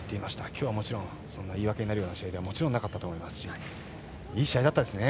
今日はもちろん言い訳になるような試合ではなかったと思いますしいい試合でしたね。